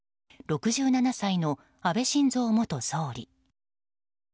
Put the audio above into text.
６７歳の安倍晋三元総理。